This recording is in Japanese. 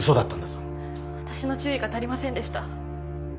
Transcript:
私の注意が足りませんでした。